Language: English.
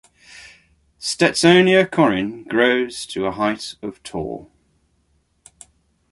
"Stetsonia coryne" grows to a height of tall.